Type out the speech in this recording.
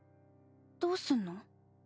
どうすんの？